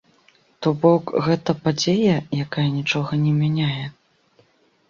То-бок гэта падзея, якая нічога не мяняе.